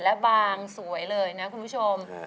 และบางสวยเลยนะคุณผู้ชม